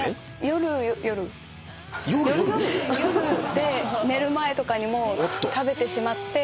夜で寝る前とかにも食べてしまって。